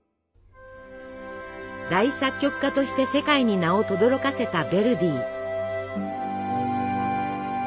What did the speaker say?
大作曲家として世界に名をとどろかせたヴェルディ。